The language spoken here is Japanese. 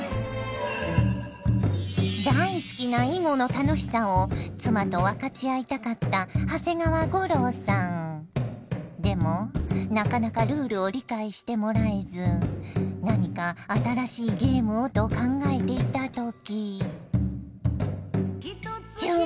大好きな囲碁の楽しさを妻と分かち合いたかったでもなかなかルールを理解してもらえず何か新しいゲームをと考えていた時。